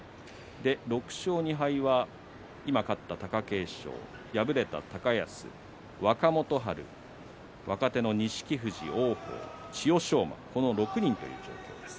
６勝２敗は今勝った貴景勝敗れた高安、若元春、若手の錦富士、王鵬千代翔馬、この６人という状況です。